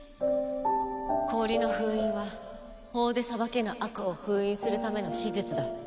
氷の封印は法で裁けぬ悪を封印するための秘術だ。